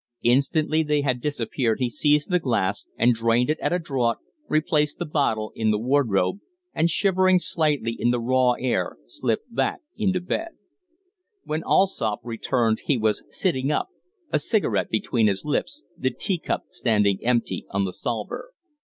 Instantly they had disappeared he seized the glass and drained it at a draught, replaced the bottle in the wardrobe, and, shivering slightly in the raw air, slipped back into bed. When Allsopp returned he was sitting up, a cigarette between his lips, the teacup standing empty on the salver.